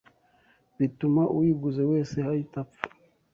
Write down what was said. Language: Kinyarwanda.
bituma uyiguze wese ahita apfa